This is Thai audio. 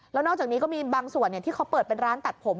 แล้วนอกจากนี้ก็มีบางส่วนที่เขาเปิดเป็นร้านตัดผม